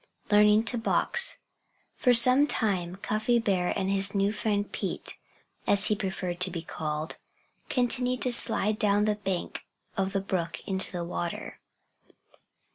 XX LEARNING TO BOX For some time Cuffy Bear and his new friend Pete, as he preferred to be called, continued to slide down the bank of the brook into the water.